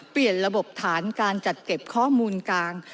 เปลี่ยนระบบฐานการจัดเก็บข้อมูลกลาง